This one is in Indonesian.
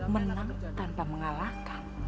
menang tanpa mengalahkan